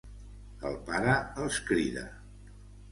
El pare els crida.